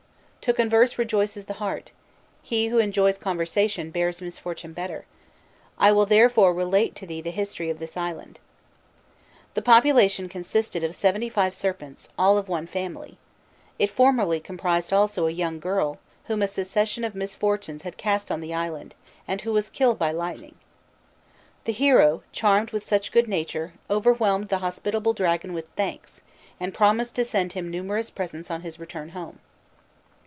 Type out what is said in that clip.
To converse rejoices the heart, he who enjoys conversation bears misfortune better; I will therefore relate to thee the history of this island." The population consisted of seventy five serpents, all of one family: it formerly comprised also a young girl, whom a succession of misfortunes had cast on the island, and who was killed by lightning. The hero, charmed with such good nature, overwhelmed the hospitable dragon with thanks, and promised to send him numerous presents on his return home.